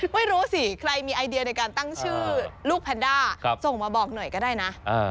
ไม่รู้สิใครมีไอเดียในการตั้งชื่อลูกแพนด้าส่งมาบอกหน่อยก็ได้นะ